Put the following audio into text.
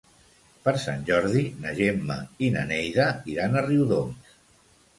Per Sant Jordi na Gemma i na Neida iran a Riudoms.